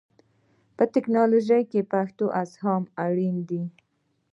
په ټکنالوژي کې پښتو ادغام اړین دی.